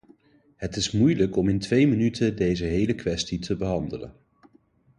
Het is moeilijk om in twee minuten deze hele kwestie te behandelen.